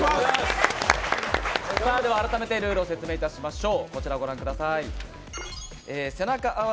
改めてルールを説明いたしましょう。